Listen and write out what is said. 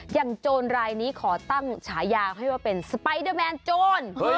โจรรายนี้ขอตั้งฉายาให้ว่าเป็นสไปเดอร์แมนโจร